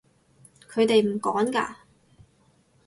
佢哋唔趕㗎